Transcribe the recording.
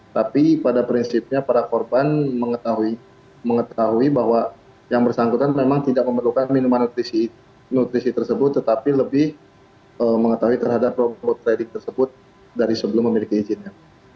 tapi pada prinsipnya para korban mengetahui bahwa yang bersangkutan memang tidak memerlukan minuman nutrisi tersebut tetapi lebih mengetahui terhadap robot trading tersebut dari sebelum memiliki izinnya